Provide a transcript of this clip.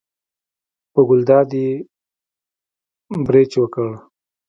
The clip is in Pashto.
په ګلداد یې بړچ وکړ.